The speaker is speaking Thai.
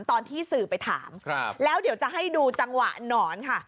ตอนที่สื่อไปถามแล้วเดี๋ยวจะให้ดูจังหวะหนอนค่ะ